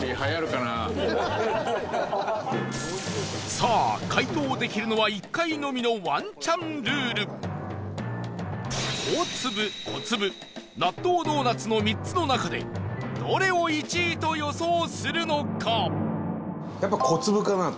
さあ、解答できるのは１回のみのワンチャンルール大粒、小粒なっとうドーナツの３つの中でどれを１位と予想するのか？